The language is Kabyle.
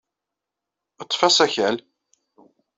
Ḍḍef asakal.